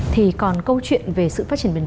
thì còn câu chuyện về sự phát triển việt nam